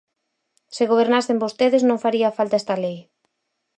Se gobernasen vostedes, non faría falta esta lei.